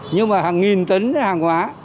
nhưng mà hàng nghìn tấn hàng hóa